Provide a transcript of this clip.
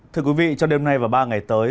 thưa quý vị trong đêm nay và ba ngày tới